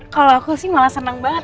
kalau aku sih malah senang banget